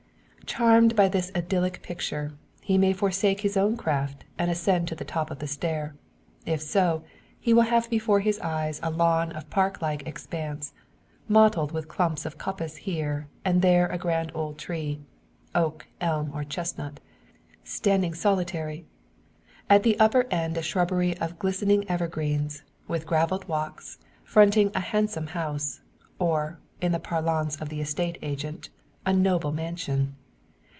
Charmed by this Idyllic picture, he may forsake his own craft, and ascend to the top of the stair. If so, he will have before his eyes a lawn of park like expanse, mottled with clumps of coppice, here and there a grand old tree oak, elm, or chestnut standing solitary; at the upper end a shrubbery of glistening evergreens, with gravelled walks, fronting a handsome house; or, in the parlance of the estate agent, a noble mansion.